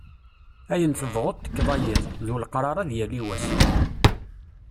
Ayen tebɣuḍ tekkeḍ ay iḍ, d ulaqrar ad yali wass.